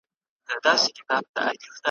ټول پردي دي بېګانه دي مقتدي دی که امام دی `